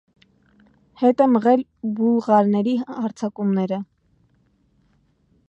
Հետ է մղել բուլղարների հարձակումները։